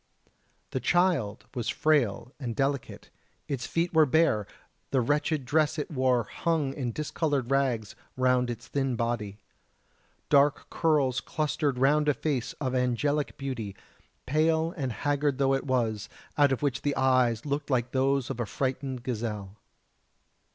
The child was frail and delicate: its feet were bare, the wretched dress it wore hung in discoloured rags round its thin body. Dark curls clustered round a face of angelic beauty, pale and haggard though it was, out of which the eyes looked like those of a frightened gazelle.